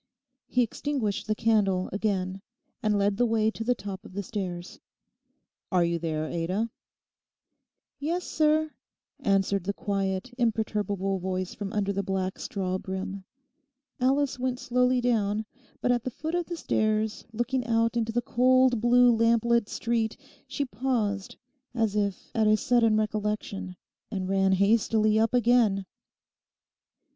He extinguished the candle again, and led the way to the top of the stairs. 'Are you there, Ada?' 'Yes, sir,' answered the quiet imperturbable voice from under the black straw brim. Alice went slowly down, but at the foot of the stairs, looking out into the cold, blue, lamplit street she paused as if at a sudden recollection, and ran hastily up again.